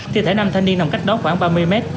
thiệt thể năm thanh niên nằm cách đó khoảng ba mươi m